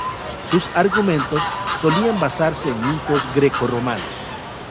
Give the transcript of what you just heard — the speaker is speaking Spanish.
Sus argumentos solían basarse en mitos grecorromanos.